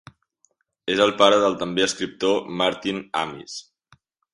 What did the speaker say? És el pare del també escriptor Martin Amis.